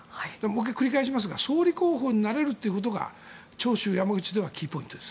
繰り返しますが総理候補になられるということが長州、山口ではキーポイントです。